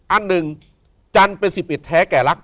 อันหนึ่งจันทร์เป็น๑๑แท้แก่รัก